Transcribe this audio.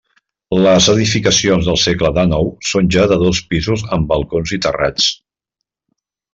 Les edificacions del segle dènou són ja de dos pisos amb balcons i terrats.